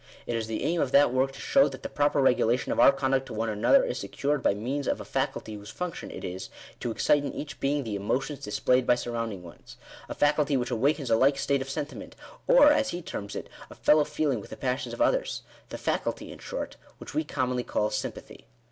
It is the aim of that work to show that the proper regulation of our conduct to one another, is secured by means of a faculty whose function it is to excite in each being the emotions displayed by surrounding ones — a faculty which awakens a like state of sentiment, or, as he terms it, " a fellow feeling with the passions of others "— the faculty, in short, which we com monly call Sympathy.